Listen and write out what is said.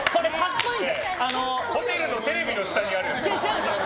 ホテルのテレビの下にあるやつ。